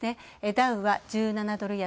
ダウは１７ドル安。